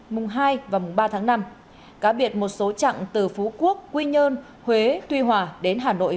mùng hai và mùng ba tháng năm cá biệt một số chặng từ phú quốc quy nhơn huế tuy hòa đến hà nội